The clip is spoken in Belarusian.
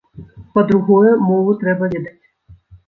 Па-другое, мову трэба ведаць.